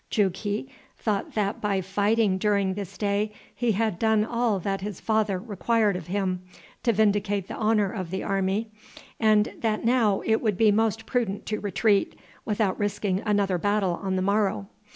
Jughi thought that by fighting during this day he had done all that his father required of him to vindicate the honor of the army, and that now it would be most prudent to retreat, without risking another battle on the morrow.